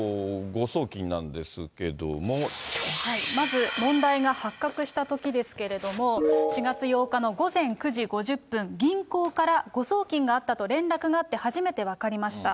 さあ、まず、問題が発覚したときですけれども、４月８日の午前９時５０分、銀行から誤送金があったと連絡があって初めて分かりました。